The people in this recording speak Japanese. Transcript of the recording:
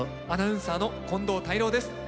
アナウンサーの近藤泰郎です。